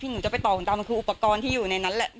หนูจะไปต่อคุณดำมันคืออุปกรณ์ที่อยู่ในนั้นแหละ